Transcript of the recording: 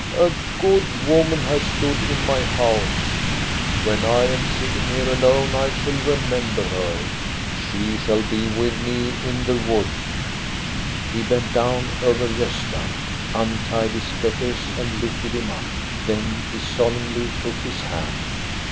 A good woman has stood in my house. When I am sitting here alone, I shall remember her. She shall be with me in the wood." THE FOREST COTTAGE 455 He bent down over Gosta, untied his fetters, and lifted him up. Then he solemnly took his hand.